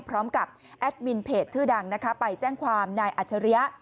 พร้อมกับแอดมินเพจชื่อดังไปแจ้งความนายอัจฉริยะ